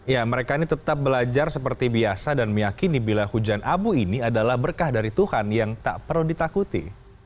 ya mereka ini tetap belajar seperti biasa dan meyakini bila hujan abu ini adalah berkah dari tuhan yang tak perlu ditakuti